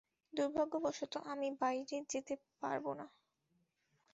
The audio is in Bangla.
দুর্ভাগ্যবশত, আমি বাইরে যেতে পারব না।